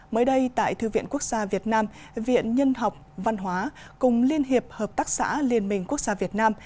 mới đây tại thư viện quốc gia việt nam viện nhân học văn hóa cùng liên hiệp hợp tác xã liên minh quốc gia việt nam